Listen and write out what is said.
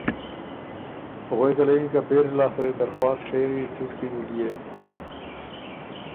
غوېکه له یِن که پېری لاسته ر دې درخواست ڒېری څُټکی بُو بيې